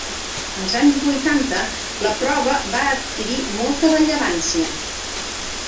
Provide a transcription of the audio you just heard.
Als anys vuitanta la prova va adquirir molta rellevància.